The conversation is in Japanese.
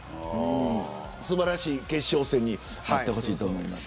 素晴らしい決勝戦になってほしいと思います。